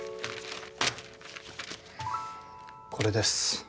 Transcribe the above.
これです。